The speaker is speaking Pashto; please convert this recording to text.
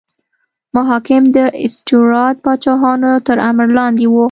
محاکم د سټیورات پاچاهانو تر امر لاندې وو.